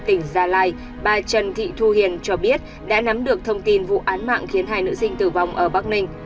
tỉnh gia lai bà trần thị thu hiền cho biết đã nắm được thông tin vụ án mạng khiến hai nữ sinh tử vong ở bắc ninh